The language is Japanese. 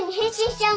ちゃおう。